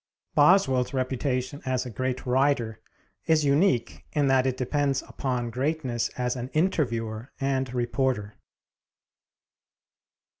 Boswell's reputation as a great writer is unique in that it depends upon greatness as an interviewer and reporter.